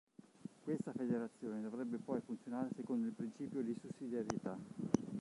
Questa federazione dovrebbe poi funzionare secondo il principio di sussidiarietà.